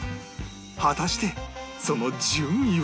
果たしてその順位は？